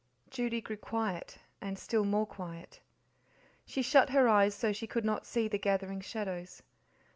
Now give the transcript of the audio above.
Judy grew quiet, and still more quiet. She shut her eyes so she could not see the gathering shadows.